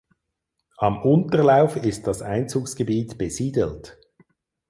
Am Unterlauf ist das Einzugsgebiet besiedelt.